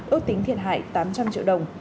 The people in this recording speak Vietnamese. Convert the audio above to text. út tính thiệt hại tám trăm linh triệu đồng